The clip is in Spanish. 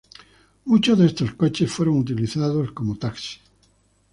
Muchos de estos coches fueron utilizados como taxis.